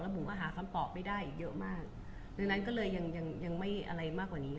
ผมก็หาคำตอบไม่ได้อีกเยอะมากดังนั้นก็เลยยังยังไม่อะไรมากกว่านี้